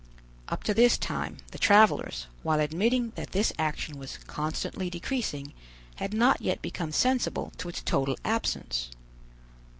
Up to this time, the travelers, while admitting that this action was constantly decreasing, had not yet become sensible to its total absence.